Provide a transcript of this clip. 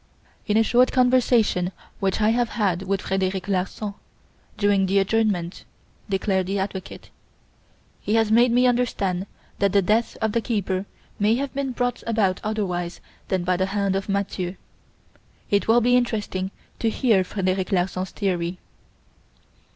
"In a short conversation which I have had with Frederic Larsan, during the adjournment," declared the advocate, "he has made me understand that the death of the keeper may have been brought about otherwise than by the hand of Mathieu. It will be interesting to hear Frederic Larsan's theory."